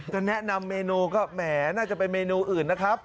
จะแนะนำเมนูก็แหมน่าจะเป็นเมนูอื่นนะครับ